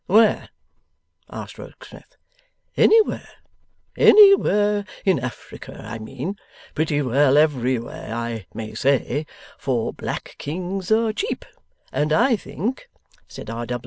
'Where?' asked Rokesmith. 'Anywhere. Anywhere in Africa, I mean. Pretty well everywhere, I may say; for black kings are cheap and I think' said R.